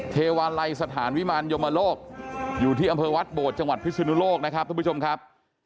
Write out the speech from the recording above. เทวาลัยสถานวิมารยมโลกอยู่ที่อำเภอวัดโบดจังหวัดพิศนุโลกนะครับทุกผู้ชมครับ